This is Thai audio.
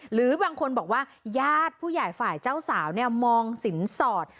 หรือบางคนบอกว่าญาติผู้ใหญ่ฝ่ายเจ้าสาวมองสินสอด